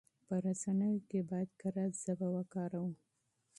په رسنيو کې بايد کره ژبه وکاروو.